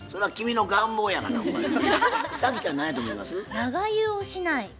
長湯をしない。